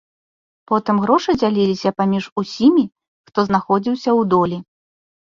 Потым грошы дзяліліся паміж усімі, хто знаходзіўся ў долі.